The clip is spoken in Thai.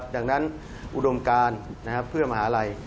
ดังนั้นอุดมการเพื่อมหาลัย